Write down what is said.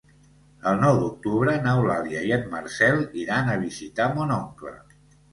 El nou d'octubre n'Eulàlia i en Marcel iran a visitar mon oncle.